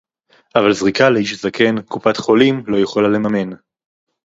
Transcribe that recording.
אבל זריקה לאיש זקן קופת-חולים לא יכולה לממן